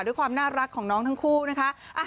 ด้วยความน่ารักของน้องทั้งคู่นะคะ